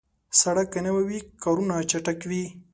سړک که نوي وي، کارونه چټک وي.